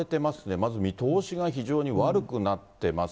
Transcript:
まず見通しが非常に悪くなってます。